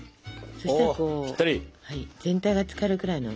そしたら全体がつかるくらいの。